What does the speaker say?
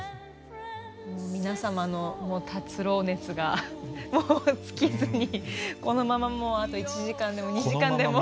皆様の達郎熱が尽きずにこのままもうあと１時間でも２時間でも。